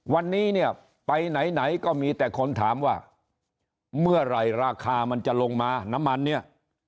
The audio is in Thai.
วันนี้เนี่ยไปไหนไหนก็มีแต่คนถามว่าเมื่อไหร่ราคามันจะลงมาน้ำมันเนี่ย